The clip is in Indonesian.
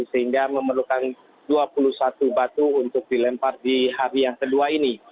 sehingga memerlukan dua puluh satu batu untuk dilempar di hari yang kedua ini